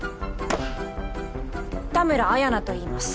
田村綾菜といいます。